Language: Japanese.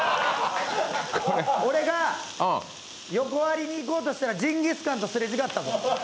俺が、横アリに行こうとしたらジンギスカンとすれ違ったぞ。